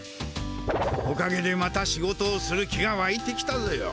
おかげでまた仕事をする気がわいてきたぞよ。